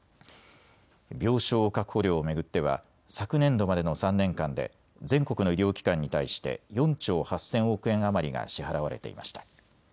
病床確保料を巡っては昨年度までの３年間で全国の医療機関に対して４兆８０００億円余りが支払われていました。